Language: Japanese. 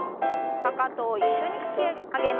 かかとを一緒に引き上げます。